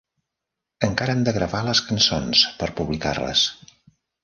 Encara han de gravar les cançons per publicar-les.